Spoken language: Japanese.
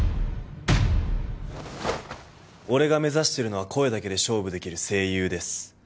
俺が目指してるのは声だけで勝負できる声優です